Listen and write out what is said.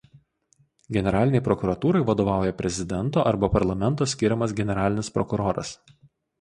Generalinei prokuratūrai vadovauja prezidento arba parlamento skiriamas generalinis prokuroras.